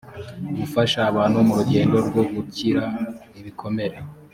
gufasha abantu mu rugendo rwo gukira ibikomere